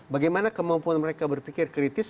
bagaimana kemampuan mereka berpikir kritis